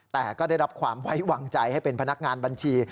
แต่ก็ได้รับความไว้วางใจให้เป็นพนักงานบัญชี